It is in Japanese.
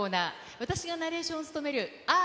私がナレーションを務める嗚呼！！